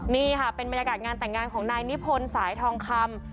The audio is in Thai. นี่ค่ะเป็นบรรยากาศงานแต่งงานของนายนิพนธ์สายทองคำ